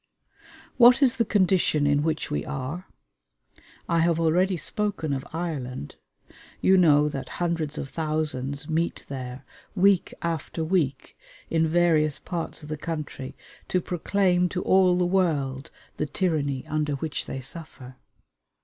What is the condition in which we are? I have already spoken of Ireland. You know that hundreds of thousands meet there, week after week, in various parts of the country, to proclaim to all the world the tyranny under which they suffer.